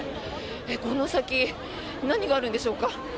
この先、何があるんでしょうか。